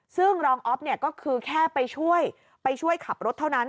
ซึ่งรองอ๊อฟเนี่ยก็คือแค่ไปช่วยไปช่วยขับรถเท่านั้น